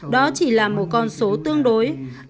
đó chỉ là một con số tương đối